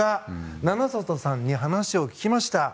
七里さんに話を聞きました。